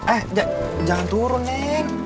eh jangan turun neng